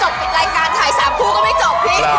ทำให้จนจบรายการถ่ายสามคู่ก็ไม่จบพี่